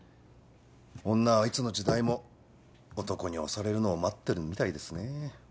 女はいつの時代も男に押されるのを待ってるみたいですね。